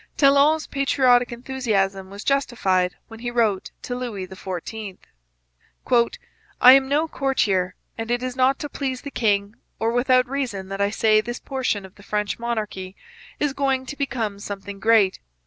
Talon's patriotic enthusiasm was justified when he wrote to Louis XIV: 'I am no courtier and it is not to please the king or without reason that I say this portion of the French monarchy is going to become something great.